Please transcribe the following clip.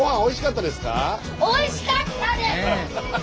おいしかったです！